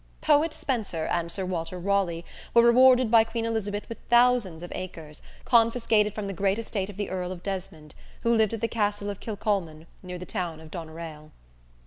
Poet Spenser and Sir Walter Raleigh were rewarded by Queen Elizabeth with thousands of acres, confiscated from the great estate of the Earl of Desmond, who lived at the castle of Kilcolman, near the town of Doneraile.